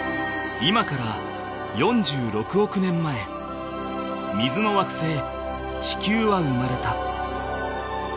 ［今から４６億年前水の惑星地球は生まれた］